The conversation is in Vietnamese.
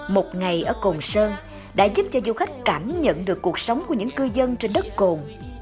một ngày ở cồn sơn đã giúp cho du khách cảm nhận được cuộc sống của những cư dân trên đất cồn